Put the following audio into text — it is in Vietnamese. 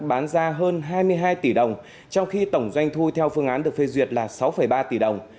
tổng doanh thu đã khai thác bán ra hơn hai mươi hai tỷ đồng trong khi tổng doanh thu theo phương án được phê duyệt là sáu ba tỷ đồng